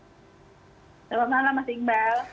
selamat malam mas iqbal